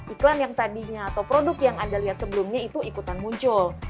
iklan yang tadinya atau produk yang anda lihat sebelumnya itu ikutan muncul